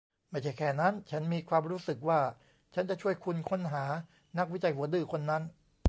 ไม่ใช่แค่นั้น ฉันมีความรู้สึกว่าฉันจะช่วยคุณค้นหานักวิจัยหัวดื้อคนนั้น